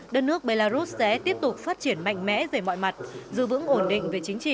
đất nước belarus sẽ tiếp tục phát triển mạnh mẽ về mọi mặt giữ vững ổn định về chính trị